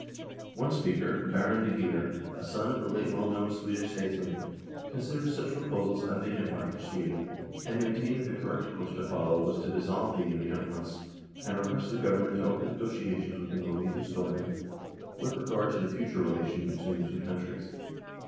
One speaker, Baron de Geer, a son of the late well THE DISSOLUTION OF THE UNION 133 known Swedish statesman, considered such proposals undignified for Sweden, and maintained that the correct course to follow was to dissolve the Union at once and request the Government to open negotiations with the Norwegian Storthing with regard to the future relations between the two countries.